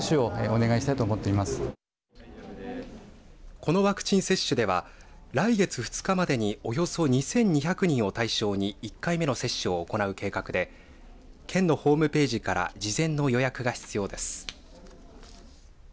このワクチン接種では来月２日までにおよそ２２００人を対象に１回目の接種を行う計画で県のホームページから事前の予約が必要です。